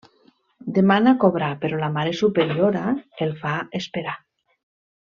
Demana cobrar però la mare superiora el fa esperar.